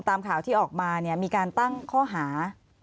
ตามข่าวที่ออกมามีการตั้งข้อหา